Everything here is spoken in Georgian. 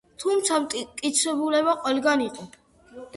თუმცა მტკიცებულება ყველგან იყო.